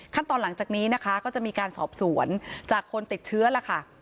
หลังจากนี้นะคะก็จะมีการสอบสวนจากคนติดเชื้อล่ะค่ะ